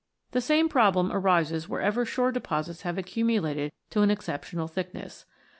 The same problem arises wherever shore deposits have accumu lated to an exceptional thickness.